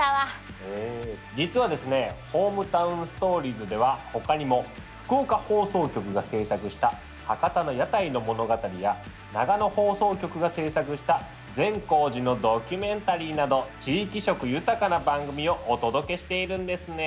実はですね「ＨｏｍｅｔｏｗｎＳｔｏｒｉｅｓ」では他にも福岡放送局が制作した博多の屋台の物語や長野放送局が制作した善光寺のドキュメンタリーなど地域色豊かな番組をお届けしているんですね。